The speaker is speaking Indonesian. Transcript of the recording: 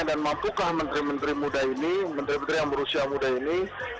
dan matukah menteri menteri muda ini menteri menteri yang berusia muda ini